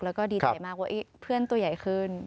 แล้วก็ดีใจมากว่าเพื่อนตัวใหญ่ขึ้น